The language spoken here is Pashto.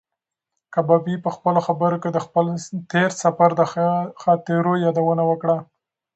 کبابي په خپلو خبرو کې د خپل تېر سفر د خاطرو یادونه وکړه.